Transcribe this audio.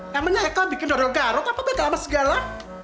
kamu nyai nyai bikin dodol garot apa beka lama segala